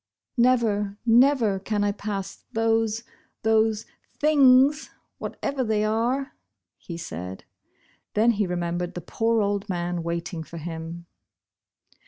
" Never, never, can I pass those — those — things — whatever they are," he said. Then he remembered the poor old man waiting for him.